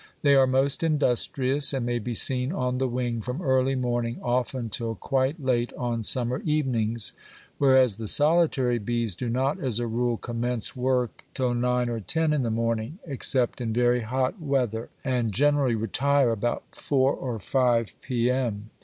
They are most industrious and may be seen on the wing from early morning often till quite late on summer evenings, whereas the solitary bees do not, as a rule, commence work till nine or ten in the morning, except in very hot weather, and generally retire about four or five p.m.